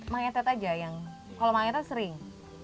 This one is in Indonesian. mangetet aja yang kalau mangetet sering